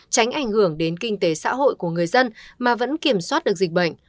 tránh ảnh hưởng đến kinh tế xã hội của người dân mà vẫn kiểm soát được dịch bệnh